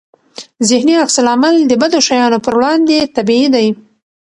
ذهني عکس العمل د بدو شیانو پر وړاندې طبيعي دی.